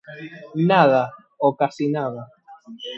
Nada, o casi nada.